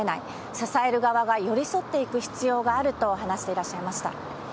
支える側が寄り添っていく必要があると話していらっしゃいました。